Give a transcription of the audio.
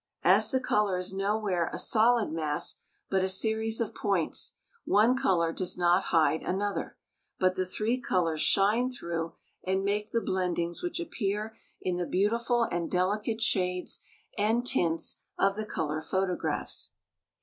As the color is nowhere a solid mass, but a series of points, one color does not hide another, but the three colors shine through and make the blendings which appear in the beautiful and delicate shades and tints of the color photographs.